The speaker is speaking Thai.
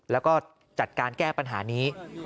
แล้วก็จัดการแก้ปัญหานี้